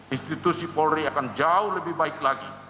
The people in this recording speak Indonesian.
institusi polri akan jauh lebih baik lagi